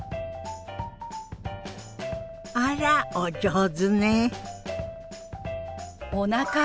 あらお上手ね。